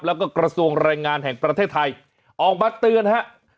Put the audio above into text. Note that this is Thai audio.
แล้วก็กระทรวงแรงงานแห่งประเทศไทยออกมาเตือนฮะ